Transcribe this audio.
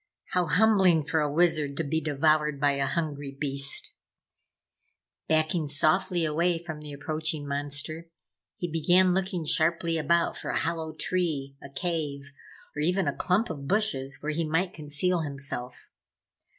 How humbling for a Wizard to be devoured by a hungry beast. Backing softly away from the approaching monster, he began looking sharply about for a hollow tree, a cave or even a clump of bushes where he might conceal himself.